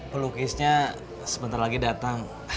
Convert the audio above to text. pelukisnya sebentar lagi datang